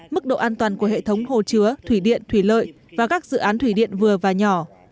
mức độ an toàn của hệ thống hồ chứa thủy điện thủy lợi và các dự án thủy điện vừa và nhỏ